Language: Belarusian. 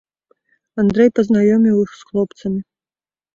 Андрэй пазнаёміў іх з хлопцамі.